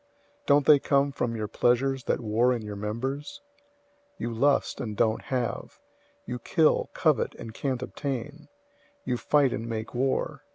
Don't they come from your pleasures that war in your members? 004:002 You lust, and don't have. You kill, covet, and can't obtain. You fight and make war.